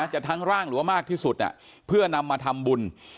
ทั้งร่างหรือว่ามากที่สุดเพื่อนำมาทำบุญ